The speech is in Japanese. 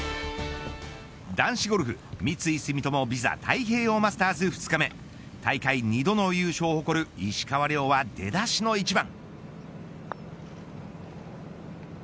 男子ゴルフ三井住友ＶＩＳＡ太平洋マスターズ２日目大会２度の優勝を誇る石川遼は出だしの１番。